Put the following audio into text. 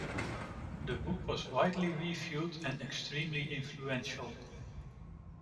The book was widely reviewed and extremely influential.